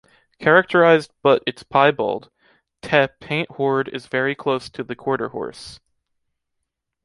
Characterized but its piebald, teh Paint horde is very close to the Quarter horse.